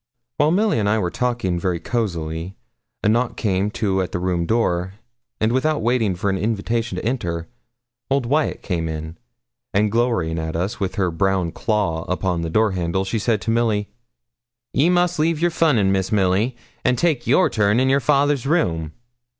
While Milly and I were talking, very cosily, a knock came to the room door, and, without waiting for an invitation to enter, old Wyat came in, and glowering at us, with her brown claw upon the door handle, she said to Milly 'Ye must leave your funnin', Miss Milly, and take your turn in your father's room.'